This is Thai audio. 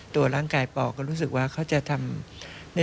ตัวร่างกายปอก็รู้สึกว่าเขาจะทำ